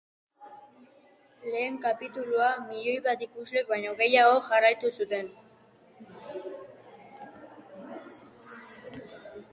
Lehen kapitulua milioi bat ikuslek baino gehiagok jarraitu zuten.